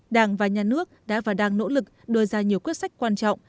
đảng và nhà nước đã và đang nỗ lực đưa ra nhiều quyết sách quan trọng